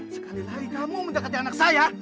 sekali lagi kamu mendekati anak saya